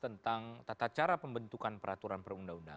tentang tata cara pembentukan peraturan perundangan